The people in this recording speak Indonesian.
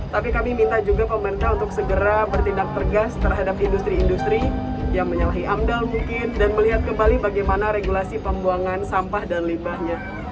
tapi kami minta juga pemerintah untuk segera bertindak tegas terhadap industri industri yang menyalahi amdal mungkin dan melihat kembali bagaimana regulasi pembuangan sampah dan limbahnya